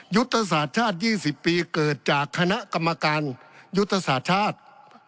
ยุตสาธิชาติ๒๐ปีเกิดจากคณะกรรมการยุตสาธิชาติ